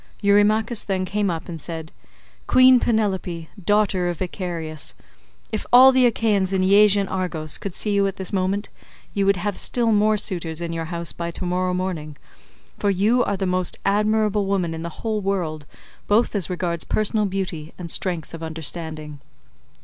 Eurymachus then came up and said, "Queen Penelope, daughter of Icarius, if all the Achaeans in Iasian Argos could see you at this moment, you would have still more suitors in your house by tomorrow morning, for you are the most admirable woman in the whole world both as regards personal beauty and strength of understanding."